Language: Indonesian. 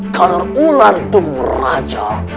kalau ular demuraja